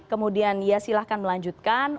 kemudian ya silahkan melanjutkan